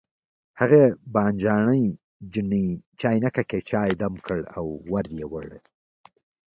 هغې بانجاني چیني چاینکه کې چای دم کړ او ور یې وړ.